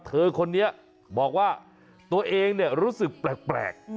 เธอคนนี้บอกว่าตัวเองรู้สึกแปลก